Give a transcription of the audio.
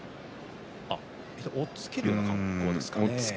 押っつけるような格好ですかね。